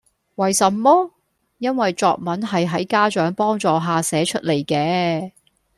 為什麼?因為作文係喺家長幫助下寫出嚟嘅